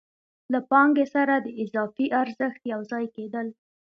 له پانګې سره د اضافي ارزښت یو ځای کېدل